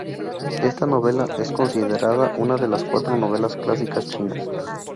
Esta novela es considerada una de las cuatro novelas clásicas chinas.